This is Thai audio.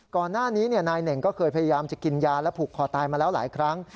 ก่อนหน้านี้นายเหน่งก็เคยพยายามจะกินยาและผูกคอตายมาแล้วหลายครั้ง